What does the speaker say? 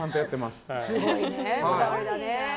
すごいね、こだわりが。